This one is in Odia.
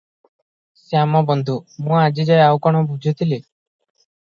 ଶ୍ୟାମବନ୍ଧୁ – ମୁଁ ଆଜି ଯାଏ ଆଉ କ’ଣ ବୁଝୁଥିଲି?